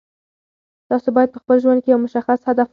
تاسو باید په خپل ژوند کې یو مشخص هدف ولرئ.